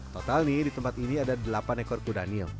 total nih di tempat ini ada delapan ekor kudanil